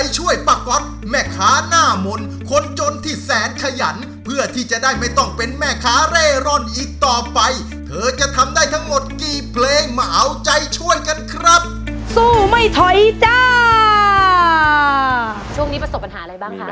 ช่วงนี้ประสบปัญหาอะไรบ้างคะ